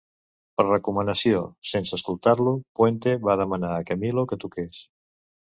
Per recomanació, sense escoltar-lo, Puente va demanar a Camilo que toqués.